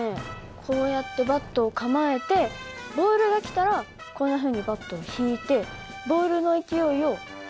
こうやってバットを構えてボールが来たらこんなふうにバットを引いてボールの勢いを小さくするかな。